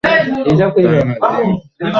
তাই না, জিন?